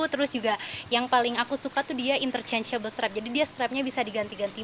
terus juga yang paling aku suka tuh dia interchanible strap jadi dia strapnya bisa diganti ganti